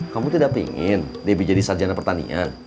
kamu tidak pingin debbie jadi sarjana pertanian